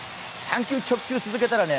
３球、直球続けたらね